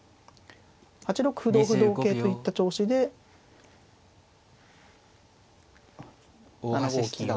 ８六歩同歩同桂といった調子で７五金を。